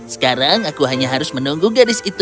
sekarang aku hanya harus menunggu gadis itu